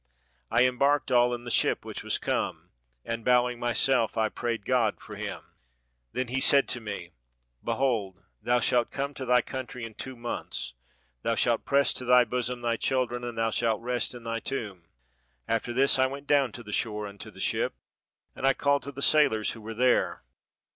I embarked all in the ship which was come, and bowing myself, I prayed God for him. "Then he said to me, 'Behold thou shalt come to thy country in two months, thou shalt press to thy bosom thy children, and thou shalt rest in thy tomb.' After this I went down to the shore unto the ship, and I called to the sailors who were there.